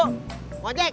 bukan buat beli obat batuk